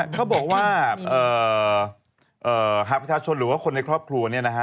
เขาบอกว่าหากประชาชนหรือว่าคนในครอบครัว